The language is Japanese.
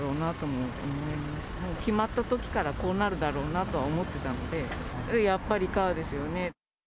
もう決まったときから、こうなるだろうなとは思っていたんで、やっぱりかですよね。